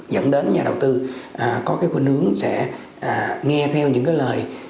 dẫn đến nhà đầu tư có hình hướng sẽ nghe theo những lời